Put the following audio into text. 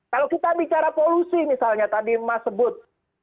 kalau kita bicara polusi misalnya tadi mas sebut